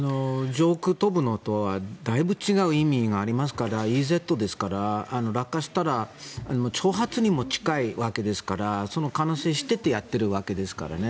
上空を飛ぶのとはだいぶ違う意味がありますからＥＥＺですから、落下したら挑発にも近いわけですからその可能性を知っていてやっているわけですからね。